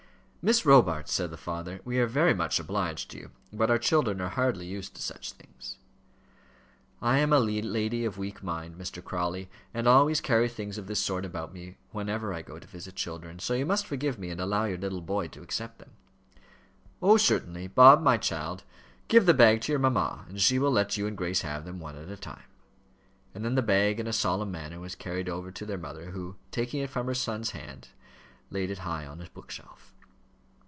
"Miss Robarts," said the father, "we are very much obliged to you; but our children are hardly used to such things." "I am a lady with a weak mind, Mr. Crawley, and always carry things of this sort about with me when I go to visit children; so you must forgive me, and allow your little boy to accept them." "Oh, certainly. Bob, my child, give the bag to your mamma, and she will let you and Grace have them, one at a time." And then the bag in a solemn manner was carried over to their mother, who, taking it from her son's hands, laid it high on a bookshelf.